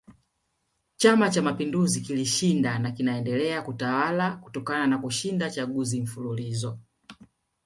Chama Cha Mapinduzi kilishinda na kinaendelea kutawala kutokana na kushinda chaguzi mfululizo